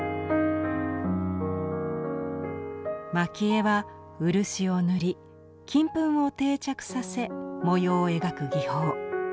蒔絵は漆を塗り金粉を定着させ模様を描く技法。